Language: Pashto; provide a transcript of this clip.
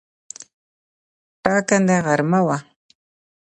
ټاکنده غرمه وه.